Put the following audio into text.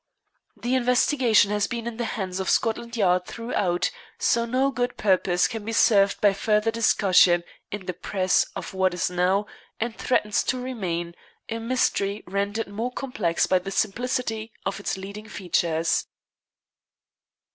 The investigation has been in the hands of Scotland Yard throughout, so no good purpose can be served by further discussion in the press of what is now, and threatens to remain, a mystery rendered more complex by the simplicity of its leading features."